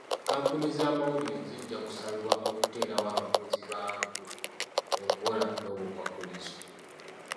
kkampuni z'amawulire zijja kusabibwa okuteerawo abakozi baago enkola n'obukwakkulizo.